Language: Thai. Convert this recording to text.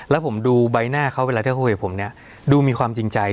แล้วผมดูใบหน้าเขาเวลาที่เขาคุยกับผมเนี่ยดูมีความจริงใจ